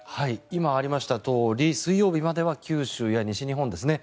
今、ありましたとおり水曜日までは九州や西日本ですね